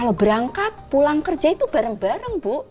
kalau berangkat pulang kerja itu bareng bareng bu